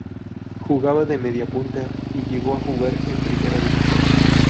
Jugaba de mediapunta y llegó a jugar en Primera División.